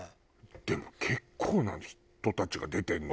でも結構な人たちが出てるね。